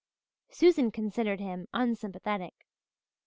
Susan considered him unsympathetic.